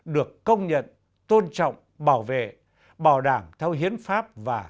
được công nhận tôn trọng bảo vệ bảo đảm theo hiến pháp và